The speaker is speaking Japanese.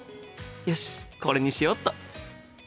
よしこれにしよっと！